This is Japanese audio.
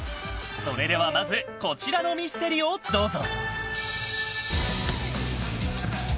それではまずこちらのミステリをどうぞ。